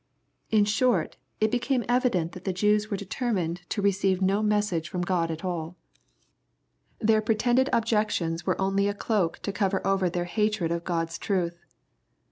— ^In short, it became evideit that the Jews were deteFwined to receive LUKE, CHAP. VII. 229 no message from God at all. Their pretended objections were only a cloak to cover over their hatred of Gkni's truth.